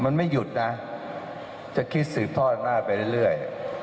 มันไม่หยุดนะจะคิดสืบทอดอำนาจไปเรื่อย